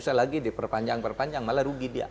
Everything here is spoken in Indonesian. ya tergantung ini kan berpanjang perpanjang malah rugi dia